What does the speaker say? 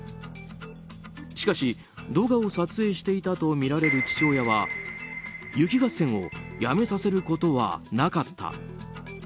しかし、動画を撮影していたとみられる父親は雪合戦をやめさせることはなかった。